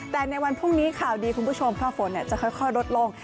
แต่ในวันพรุ่งนี้ข่าวดีคุณผู้ชมถ้าฝนจะค่อยลดลง